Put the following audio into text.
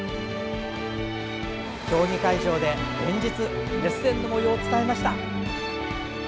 競技会場で連日熱戦のもようを伝えました。